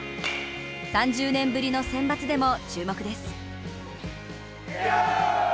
３０年ぶりの選抜でも注目です。